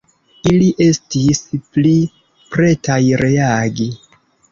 Ili estis pli pretaj reagi.